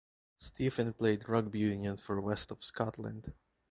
Stephen played rugby union for West of Scotland.